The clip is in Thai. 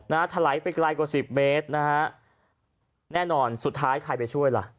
ถลายไปไกลกว่าสิบเมตรนะฮะแน่นอนสุดท้ายใครไปช่วยล่ะ